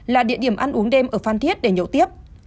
là địa điểm ăn uống đêm ở phan thiết để nhậu tiếp